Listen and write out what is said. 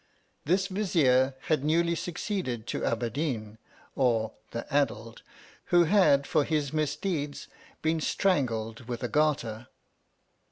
This Vizier had newly succeeded to Abaddeen (or the Addled), who had for his misdeeds been strangled with a garter.